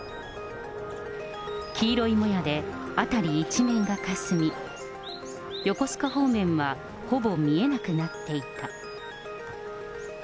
黄色いもやで辺り一面がかすみ、横須賀方面はほぼ見えなくなっていた。